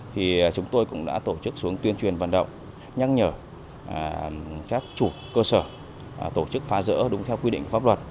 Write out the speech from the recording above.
thì chúng tôi cũng đã tổ chức xuống tuyên truyền vận động nhắc nhở các chủ cơ sở tổ chức phá rỡ đúng theo quy định pháp luật